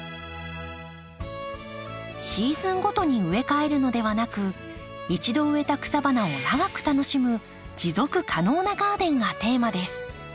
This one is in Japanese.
シーズンごとに植え替えるのではなく一度植えた草花を長く楽しむ持続可能なガーデンがテーマです。